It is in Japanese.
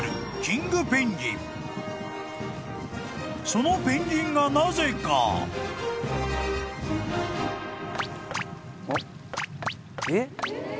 ［そのペンギンがなぜか］えっ！？